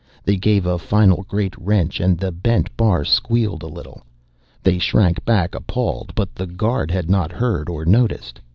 They gave a final great wrench and the bent bar squealed a little. They shrank back, appalled, but the guard had not heard or noticed.